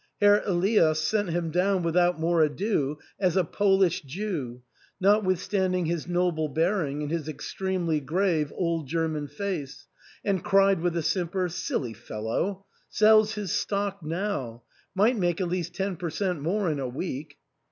Herr Elias set him down without more ado as a Polish Jew, not withstanding his noble bearing and his extremely grave old German face, and cried with a simper, " Silly fel low ! sells his stock now ; might make at least ten per cent, more in a week."